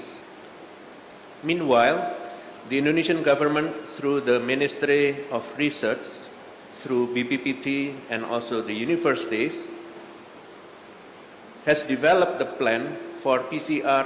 sementara itu pemerintah indonesia melalui ministeri penelitian bpbt dan universitas telah membuat rencana untuk penelitian regen pcr